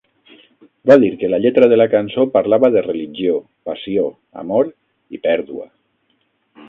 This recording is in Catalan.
Va dir que la lletra de la cançó parlava de religió, passió, amor i pèrdua.